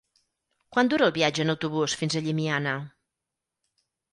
Quant dura el viatge en autobús fins a Llimiana?